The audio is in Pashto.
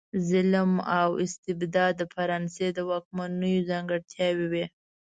ظلم او استبداد د فرانسې د واکمنیو ځانګړتیاوې وې.